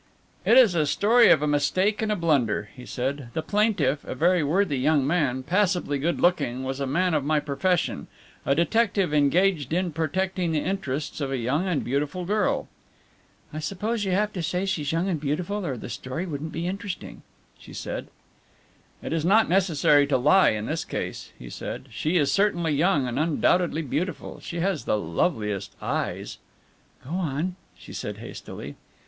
"It is a story of a mistake and a blunder," he said. "The plaintiff, a very worthy young man, passably good looking, was a man of my profession, a detective engaged in protecting the interests of a young and beautiful girl." "I suppose you have to say she's young and beautiful or the story wouldn't be interesting," she said. "It is not necessary to lie in this case," he said, "she is certainly young and undoubtedly beautiful. She has the loveliest eyes " "Go on," she said hastily.